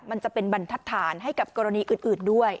มันจะเป็นบรรทัศนให้กับกรณีอื่นด้วย